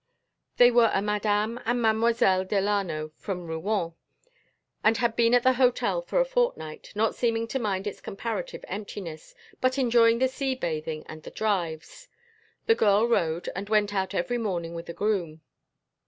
They were a Madame and Mademoiselle Delano from Rouen, and had been at the hotel for a fortnight, not seeming to mind its comparative emptiness, but enjoying the sea bathing and the drives. The girl rode, and went out every morning with a groom.